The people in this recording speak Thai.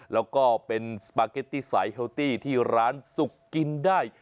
แล้วก็เป็นสปาเก็ตตี้สายเฮลตี้ที่ร้านสุกกินได้